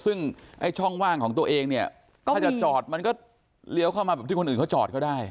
ซึ่งไอ้ช่องว่างของตัวเองเนี่ยถ้าจะจอดมันก็เลี้ยวเข้ามาแบบที่คนอื่นเขาจอดก็ได้